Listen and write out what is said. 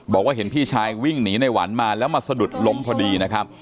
บอกว่าเห็นพี่ชายวิ่งหนีในหวันมาแล้วมาสะดุดล้มพอดีนะครับ